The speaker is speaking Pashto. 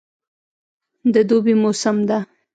د دوبی موسم ده